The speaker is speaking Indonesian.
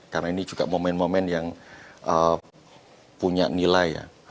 karena ini juga momen momen yang punya nilai ya